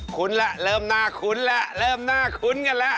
แล้วเริ่มน่าคุ้นแล้วเริ่มน่าคุ้นกันแล้ว